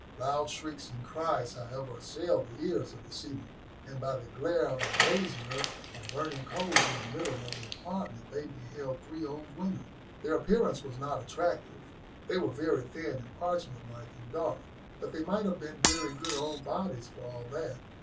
Loud shrieks and cries, however, assailed the ears of the seamen, and by the glare of a brazier of burning coals in the middle of the apartment they beheld three old women. Their appearance was not attractive; they were very thin and parchment like, and dark; but they might have been very good old bodies for all that.